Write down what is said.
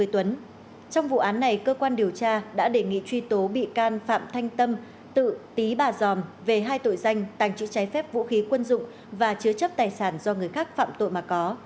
trong vụ án này cơ quan điều tra đã đề nghị truy tố bị can phạm thanh tâm tự tý bà giòm về hai tội danh tàng trữ trái phép vũ khí quân dụng và chứa chấp tài sản do người khác phạm tội mà có